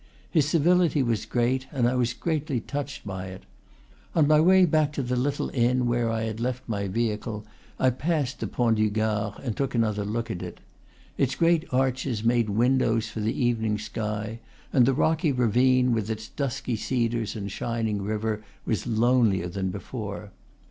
His civility was great, and I was greatly touched by it. On my way back to the little inn where I had left my vehicle, I passed the Pont du Gard, and took another look at it. Its great arches made windows for the evening sky, and the rocky ravine, with its dusky cedars and shining river, was lonelier than before.